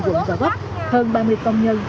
quận cờ bắc hơn ba mươi công nhân